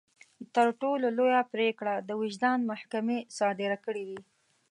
تر ټولو لويه پرېکړه د وجدان محکمې صادره کړې وي.